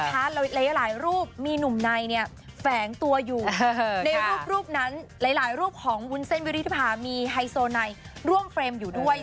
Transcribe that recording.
หลายรูปมีหนุ่มในแฝงตัวอยู่ในรูปนั้นหลายรูปของวุ้นเส้นวิริธิภามีไฮโซไนร่วมเฟรมอยู่ด้วย